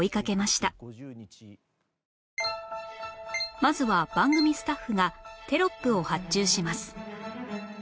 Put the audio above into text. まずは番組スタッフがテロップを発注します